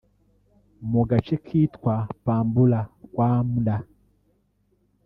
mu gace kitwa Pambula-Kwamda